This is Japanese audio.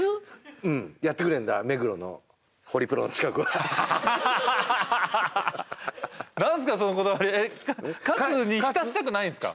うんやってくれんだ目黒のホリプロの近くは何すかそのこだわりカツに浸したくないんすか？